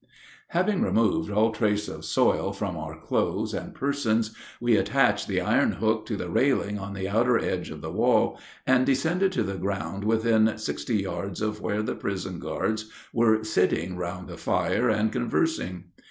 _ Having removed all trace of soil from our clothes and persons, we attached the iron hook to the railing on the outer edge of the wall, and descended to the ground within sixty yards of where the prison guards were sitting round a fire and conversing.